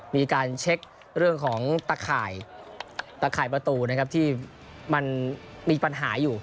มีการเช็คเรื่องของตะข่ายตะข่ายประตูนะครับที่มันมีปัญหาอยู่